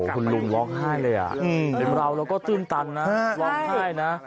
คุณลุงร้องไห้เลยอ่ะเราก็ตื่นตันนะร้องไห้นะ